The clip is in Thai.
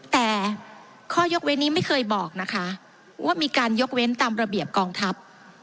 แต่ข้อยกเว้นนี้ไม่เคยบอกนะคะว่ามีการยกเว้นตามระเบียบกองทัพ